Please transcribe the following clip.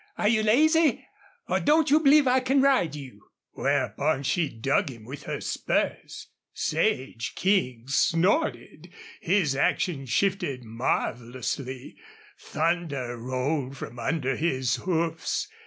"Are you lazy? Or don't you believe I can ride you?" Whereupon she dug him with her spurs. Sage King snorted. His action shifted marvelously. Thunder rolled from under his hoofs.